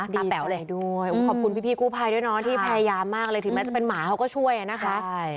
ตาแป๋วเลยด้วยขอบคุณพี่กู้ภัยด้วยเนาะที่พยายามมากเลยถึงแม้จะเป็นหมาเขาก็ช่วยนะคะ